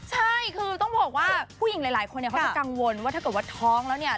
ใช่คือต้องบอกว่าผู้หญิงหลายคนเนี่ยเขาจะกังวลว่าถ้าเกิดว่าท้องแล้วเนี่ย